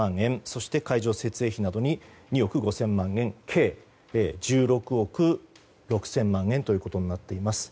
そして会場設営費などに２億５０００万円計１６億６０００万円ということになっています。